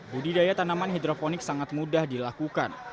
budidaya tanaman hidroponik sangat mudah dilakukan